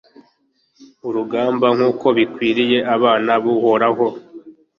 urugamba, nk'uko bikwiriye abana b'uhoraho